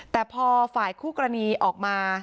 แต่พอฝ่ายคู่กรณีออกมา